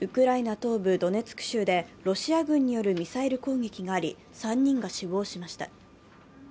東部ドネツク州でロシア軍によるミサイル攻撃があり、３人が死亡しました。